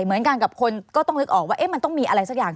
เหมือนกันกับคนก็ต้องนึกออกว่ามันต้องมีอะไรสักอย่าง